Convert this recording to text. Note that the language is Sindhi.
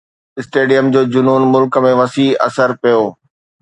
اسٽيڊيم جو جنون ملڪ ۾ وسيع اثر پيو